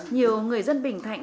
nhiều người dân bình thạnh